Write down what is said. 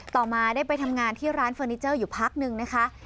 ต่อมาได้ไปทำงานที่ร้านเฟอร์นิเจอร์อยู่พักนึงนะคะ